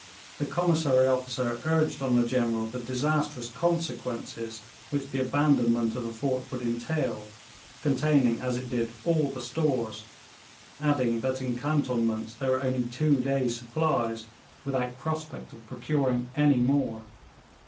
The commissary officer urged on the General the disastrous consequences which the abandonment of the fort would entail, containing as it did all the stores, adding that in cantonments there were only two days' supplies, without prospect of procuring any more.